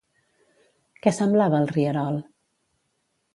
Què semblava el rierol?